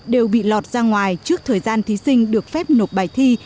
đều bị lọt ra ngoài trước thời gian thí sinh được phép nộp bài thi